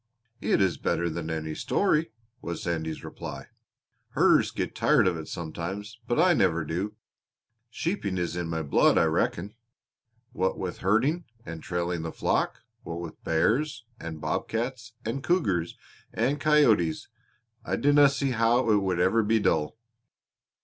"It is better than any story," was Sandy's reply. "Herders get tired of it sometimes, but I never do. Sheeping is in my blood, I reckon. What with herding and trailing the flock, what with bears, and bob cats, and cougars, and coyotes I dinna see how it would ever be dull."